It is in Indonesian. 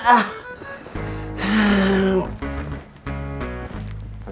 apaan sih ini